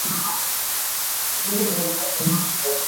庐山军官训练团在江西省九江市庐山五老峰下。